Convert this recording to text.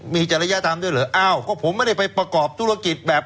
มีจริยธรรมด้วยเหรออ้าวก็ผมไม่ได้ไปประกอบธุรกิจแบบ